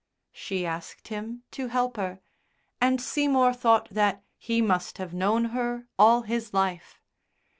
She asked him to help her, and Seymour thought that he must have known her all his life.